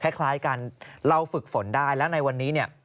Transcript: แค่คล้ายกันเราฝึกฝนได้แล้วในวันนี้